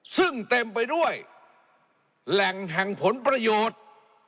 ซึ่งเต็มไปด้วยแหล่งแห่งผลประโยชน์